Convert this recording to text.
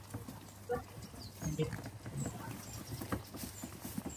陈立谦毕业于台湾朝阳科技大学传播艺术系。